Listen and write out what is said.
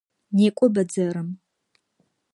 Некӏо бэдзэрым!